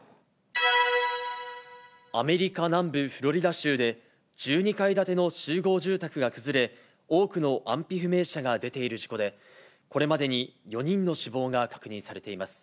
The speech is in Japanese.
アメリカ南部フロリダ州で、１２階建ての集合住宅が崩れ、多くの安否不明者が出ている事故で、これまでに４人の死亡が確認されています。